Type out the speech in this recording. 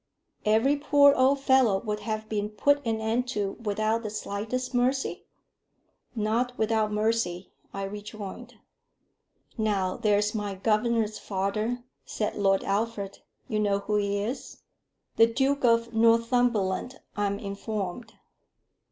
"Every poor old fellow would have been put an end to without the slightest mercy?" "Not without mercy," I rejoined. "Now, there's my governor's father," said Lord Alfred; "you know who he is?" "The Duke of Northumberland, I'm informed."